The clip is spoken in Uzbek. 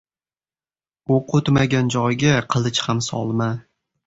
• O‘q o‘tmagan joyga qilich ham solma.